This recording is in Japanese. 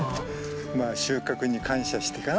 まあ収穫に感謝してかな。